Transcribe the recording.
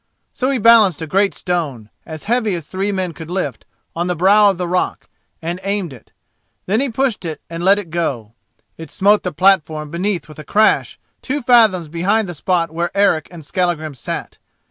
So he balanced a great stone, as heavy as three men could lift, on the brow of the rock, and aimed it. Then he pushed and let it go. It smote the platform beneath with a crash, two fathoms behind the spot where Eric and Skallagrim sat.